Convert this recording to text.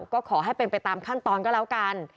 ก็ขอให้เป็นไปตามขั้นตอนก็แล้วกัน